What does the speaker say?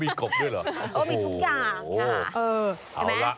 มีกบด้วยเหรอโอ้โหมีทุกอย่าง